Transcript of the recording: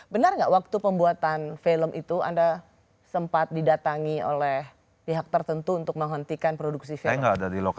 benar nggak waktu pembuatan film itu anda sempat didatangi oleh pihak tertentu untuk menghentikan produksi film